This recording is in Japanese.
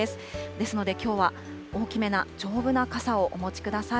ですので、きょうは大きめの丈夫な傘をお持ちください。